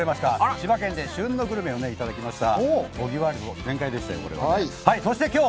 千葉県で旬のグルメをいただきました。